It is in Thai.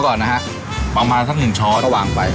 แล้วพูดถึงตัวเกี้ยวเวลาเราสั่งมาแบบเป็นเซ็ตเป็นจานอย่างเงี้ยครับ